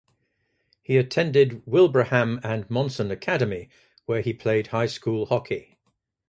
He attended Wilbraham and Monson Academy, where he played high-school hockey.